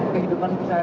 kehidupan pisah ria ini